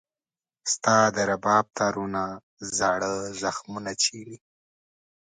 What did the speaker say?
ستا د رباب تارونه زاړه زخمونه چېړي.